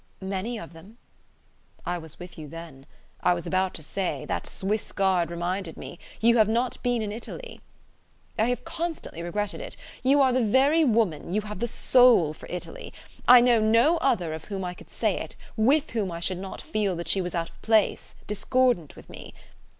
"Many of them." "I was with you then! I was about to say that Swiss guard reminded me you have not been in Italy. I have constantly regretted it. You are the very woman, you have the soul for Italy. I know no other of whom I could say it, with whom I should not feel that she was out of place, discordant with me.